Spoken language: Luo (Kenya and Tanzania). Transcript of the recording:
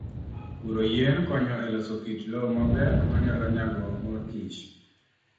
Puro yien konyo e loso kit lowo maber ma nyalo nyago mor kich.